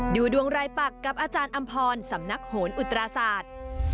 ดูดวงรายปักกับอาจารย์อำพรสำนักโหนอุตราศาสตร์